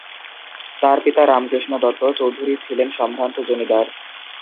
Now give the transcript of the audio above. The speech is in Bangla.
তার পিতা রামকৃষ্ণ দত্ত চৌধুরী ছিলেন সম্ভ্রান্ত জমিদার।